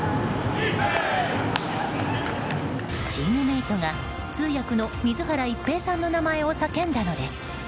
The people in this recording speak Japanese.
チームメートが通訳の水原一平さんの名前を叫んだのです。